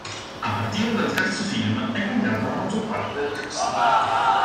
A partire dal terzo film è cambiata la maggior parte del cast.